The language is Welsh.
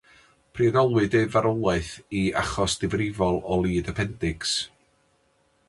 Priodolwyd ei farwolaeth i achos difrifol o lid y pendics.